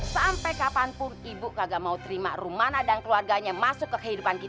sampai kapanpun ibu kagak mau terima rumana dan keluarganya masuk ke kehidupan kita